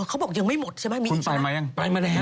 เขาบอกยังไม่หมดใช่ไหมมีอีกครั้งไปมาแล้ว